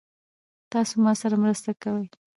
تاسو ما سره مرسته کوئ؟